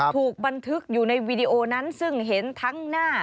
ถูกบันทึกอยู่ในวีดีโอนั้นซึ่งเห็นทั้งหน้า